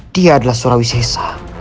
dia adalah surawi sesa